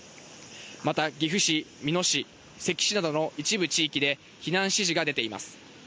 また、岐阜市、美濃市、関市などの一部地域で、避難指示が出ています。